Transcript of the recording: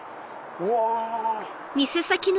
うわ！